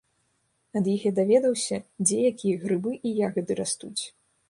Ад іх я даведаўся, дзе якія грыбы і ягады растуць.